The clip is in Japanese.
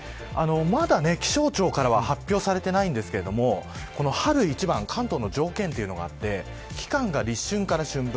まだ気象庁からは発表されていませんが春一番、関東の条件があって期間が立春から春分。